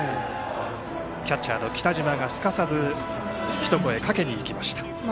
キャッチャーの北島がすかさず一声かけにいきました。